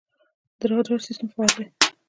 د رادار سیستم فعال دی؟